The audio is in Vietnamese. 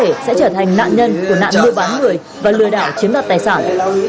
vì rất có thể sẽ trở thành nạn nhân của nạn lưu bán người và lừa đảo chiếm đặt tài sản